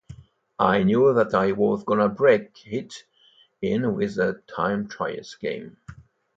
I knew that I was gonna break it in with a time-trials game.